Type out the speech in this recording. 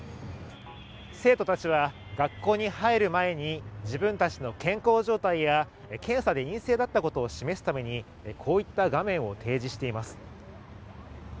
生徒たちは学校に入る前に自分たちの健康状態や検査で陰性だったことを示すためにこういった画面を提示しています。